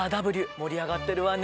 盛り上がってるわね。